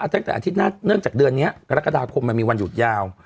ตั้งแต่อาทิตย์เนื่องจากเดือนนี้กรกฎาคมมันมีวันหยุดยาว